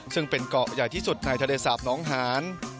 ซึ่งเป็นเกาะใหญ่ที่สุดในทะเลสาปน้องหาน